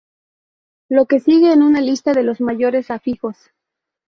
Lo que sigue es una lista de los mayores afijos.